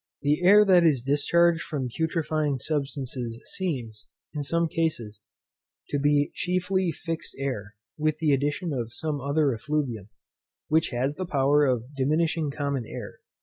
The air that is discharged from putrefying substances seems, in some cases, to be chiefly fixed air, with the addition of some other effluvium, which has the power of diminishing common air.